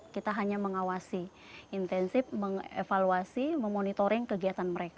kita hanya mengawasi intensif mengevaluasi memonitoring kegiatan mereka